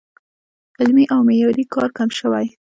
علمي او معیاري کار کم شوی